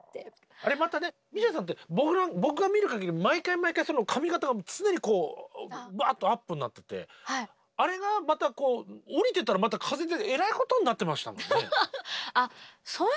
あれまたねＭＩＳＩＡさんって僕が見るかぎり毎回毎回髪形が常にこうアップになっててあれがまた下りてたらまた風でえらいことになってましたもんね。